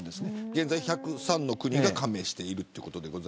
現在１０３の国が加盟しています。